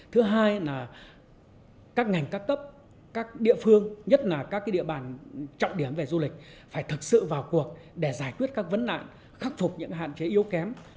thứ hai là các ngành các cấp các địa phương nhất là các địa bàn trọng điểm về du lịch phải thực sự vào cuộc để giải quyết các vấn nạn khắc phục những hạn chế yếu kém